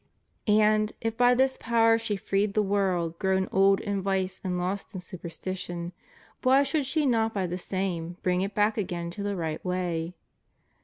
And, if by this power she freed the world grown old in vice and lost in superstition, why should she not by the same bring it back again to the right way?